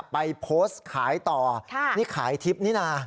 ไปโพสต์ขายต่อนี่ขายทริปนี่นะ